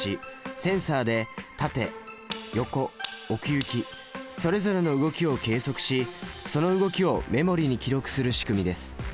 センサで縦横奥行きそれぞれの動きを計測しその動きをメモリに記録するしくみです。